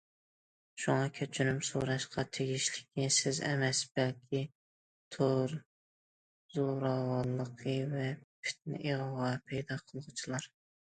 شۇڭا، كەچۈرۈم سوراشقا تېگىشلىكى سىز ئەمەس، بەلكى تور زوراۋانلىقى ۋە پىتنە- ئىغۋا پەيدا قىلغۇچىلار.